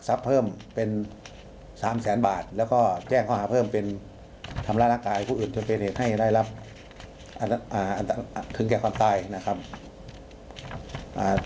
เพิ่มเป็นสามแสนบาทแล้วก็แจ้งข้อหาเพิ่มเป็นทำร้ายร่างกายผู้อื่นจนเป็นเหตุให้ได้รับอ่าถึงแก่ความตายนะครับ